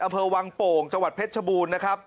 อำเภอวังโป่งจังหวัดเพชรชบูรณ์นะครับ